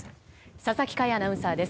佐々木快アナウンサーです。